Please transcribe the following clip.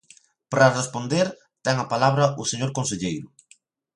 Para responder, ten a palabra o señor conselleiro.